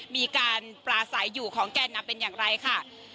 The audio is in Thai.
มีการปลาใสอยู่ของแก่นำเป็นอย่างไรค่ะ